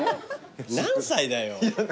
何歳だよ。